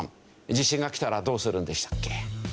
地震がきたらどうするんでしたっけ？